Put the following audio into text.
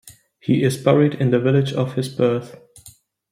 He is buried in the village of his birth.